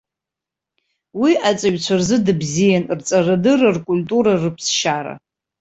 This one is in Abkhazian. Уи аҵаҩцәа рзы дыбзиан, рҵарадырра, ркультура, рыԥсшьара.